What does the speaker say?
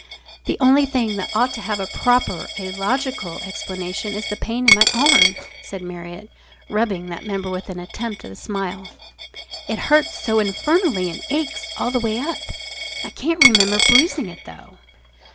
"The only thing that ought to have a proper, a logical, explanation is the pain in my arm," said Marriott, rubbing that member with an attempt at a smile. "It hurts so infernally and aches all the way up. I can't remember bruising it, though."